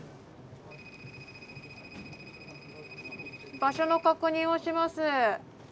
☎場所の確認をします。